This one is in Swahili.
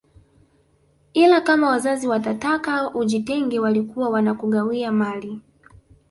Ila kama wazazi watataka ujitenge walikuwa wanakugawia mali